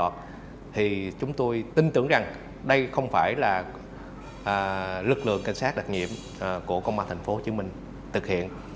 thì chúng tôi tin tưởng rằng đây không phải là lực lượng cảnh sát đặc nhiệm của công an thành phố hồ chí minh thực hiện